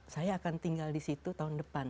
saya akan tinggal di situ tahun depan